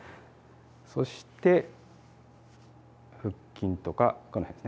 そして腹筋とかこの辺ですね